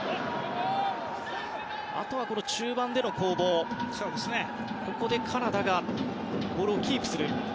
あとは中盤での攻防でカナダがボールをキープする。